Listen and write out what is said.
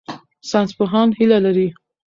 ساینسپوهان هیله لري.